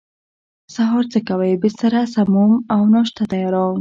سهار څه کوئ؟ بستره سموم او ناشته تیاروم